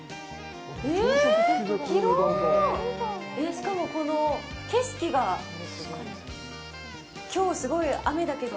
しかも、この景色がきょう、すごい雨だけど。